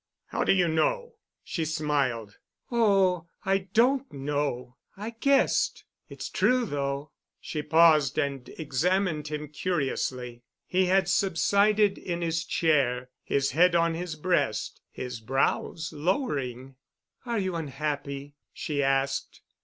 "How do you know?" She smiled. "Oh, I don't know. I guessed. It's true, though." She paused and examined him curiously. He had subsided in his chair, his head on his breast, his brows lowering. "Are you unhappy?" she asked.